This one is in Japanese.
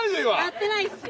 やってないっすよ。